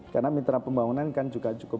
karena mitra pembangunan kan juga cukup